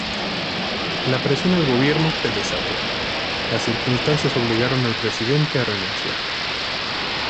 La presión al gobierno se desató las circunstancias obligaron al presidente a renunciar.